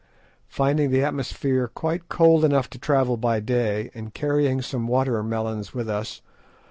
finding the atmosphere quite cold enough to travel by day, and carrying some water melons with us.